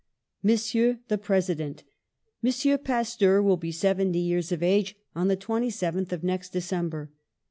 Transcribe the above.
"Monsieur the President: Monsieur Pasteur will be seventy years of age on the 27th of next December.